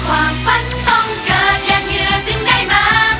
ความฝันต้องเกิดอย่างเหนือจึงได้มา